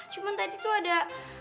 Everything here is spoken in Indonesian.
cuma tadi tuh ada